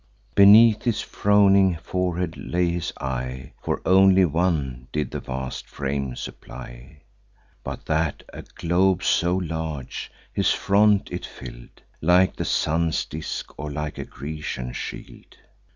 Beneath his frowning forehead lay his eye; For only one did the vast frame supply; But that a globe so large, his front it fill'd, Like the sun's disk or like a Grecian shield.